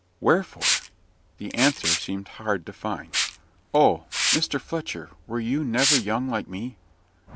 "Wherefore?" the answer seemed hard to find. "Oh! Mr Fletcher, were you never young like me?"